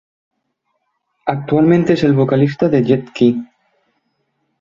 Actualmente es el vocalista de Jet-Ki.